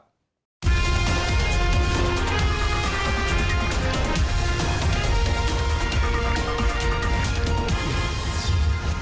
โปรดติดตามตอนต่อไป